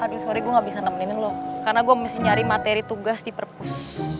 aduh sorry gue gak bisa nemenin lo karena gue mesti nyari materi tugas di perpus